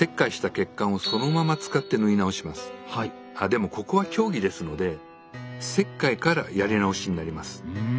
でもここは競技ですので切開からやり直しになります。